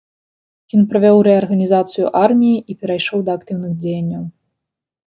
Ён правёў рэарганізацыю арміі і перайшоў да актыўных дзеянняў.